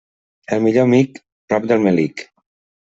El millor amic, prop del melic.